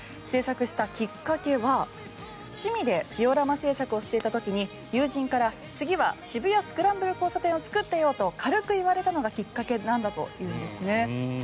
制作したきっかけは、趣味でジオラマ制作をしていた時に友人から次は渋谷・スクランブル交差点を作ってよと軽く言われたのがきっかけなんだというんですね。